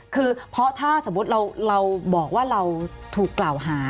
คือเพราะถ้าสมมุติเราบอกว่าเราถูกกล่าวหา